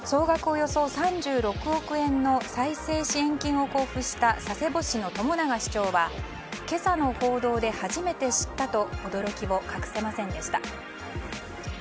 およそ３６億円の再生支援金を交付した佐世保市の朝長市長は今朝の報道で初めて知ったと驚きを隠せませんでした。